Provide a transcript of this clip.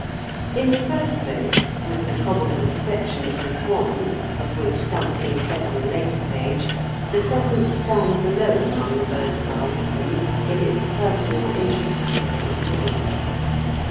In the first place, with the probable exception of the swan, of which something is said on a later page, the pheasant stands alone among the birds of our woodlands in its personal interest for the historian.